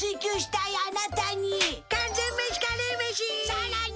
さらに！